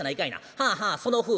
『はあはあそのフー』。